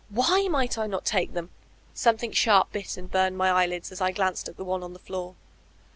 Why might I not take them? Something sharp bit and burned my eyelids as I glanced at the one on the floor.